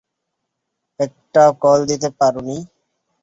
একটা কল দিতে পারোনি?